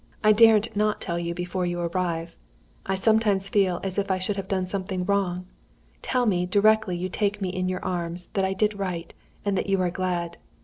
I daren't not tell you before you arrive. I sometimes feel as if I had done something wrong! Tell me, directly you take me in your arms, that I did right, and that you are glad.